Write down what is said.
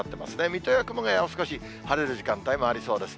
水戸や熊谷は少し晴れる時間帯もありそうです。